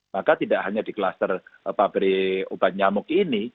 maka tidak hanya di kluster pabrik obat nyamuk ini